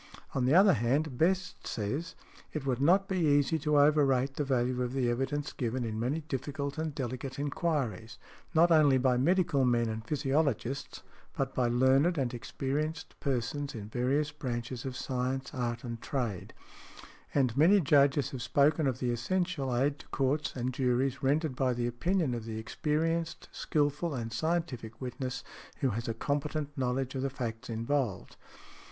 On the other hand, Best says, "It would not be easy to overrate the value of the evidence given in many difficult and delicate enquiries, not only by medical men and physiologists, but by learned |111| and experienced persons in various branches of science, art and trade" . And many Judges have spoken of the essential aid to courts and juries rendered by the opinion of the experienced, skilful and scientific witness who has a competent knowledge of the facts involved.